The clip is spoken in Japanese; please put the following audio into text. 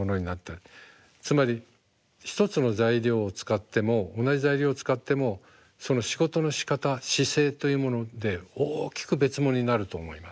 つまり一つの材料を使っても同じ材料を使ってもその仕事のしかた姿勢というもので大きく別物になると思います。